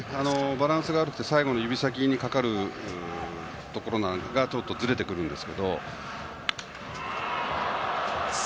バランスが悪くて最後、指先にかかるところがずれてくるんですけども。